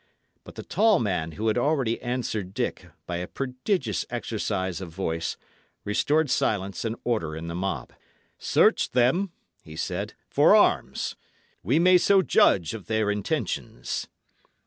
But the tall man who had already answered Dick, by a prodigious exercise of voice restored silence and order in the mob. "Search them," he said, "for arms. We may so judge of their intentions."